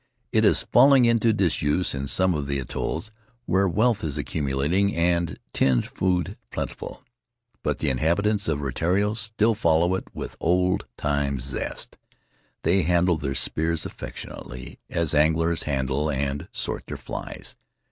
It is falling into disuse in some of the atolls where wealth is accumulat ing and tinned food plentiful; but the inhabitants of Rutiaro still follow it with old time zest. They handle their spears affectionately, as anglers handle and sort their flies.